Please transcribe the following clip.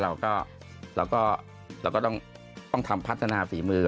แล้วก็เราต้องพัฒนาฝีมือ